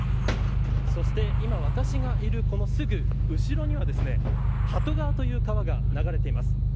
そして今私がいるそのすぐ後ろにはですね鳩川という川が流れています。